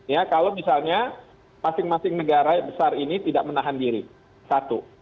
ya kalau misalnya masing masing negara besar ini tidak menahan diri satu